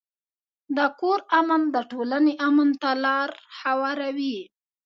د کور امن د ټولنې امن ته لار هواروي.